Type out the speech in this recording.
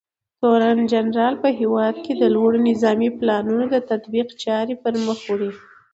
تورنجنرال په هېواد کې د لوړو نظامي پلانونو د تطبیق چارې پرمخ وړي.